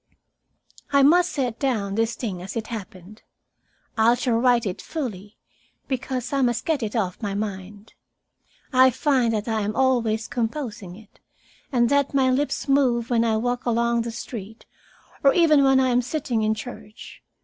"I must set down this thing as it happened. I shall write it fully, because I must get it off my mind. I find that I am always composing it, and that my lips move when I walk along the street or even when I am sitting in church.